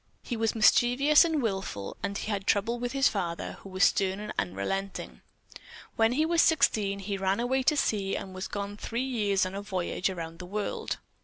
He was mischievous and wilful and he had trouble with his father, who was stern and unrelenting. When he was sixteen he ran away to sea and was gone three years on a voyage around the world.